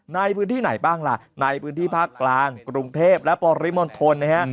ในพื้นที่ไหนบ้างล่ะในพื้นที่ภาคกลางกรุงเทพและปริมณฑลนะฮะ